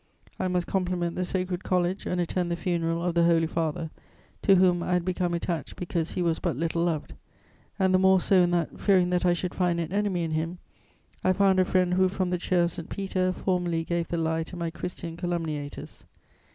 I must compliment the Sacred College and attend the funeral of the Holy Father, to whom I had become attached because he was but little loved, and the more so in that, fearing that I should find an enemy in him, I found a friend who, from the chair of St. Peter, formally gave the lie to my 'Christian' calumniators.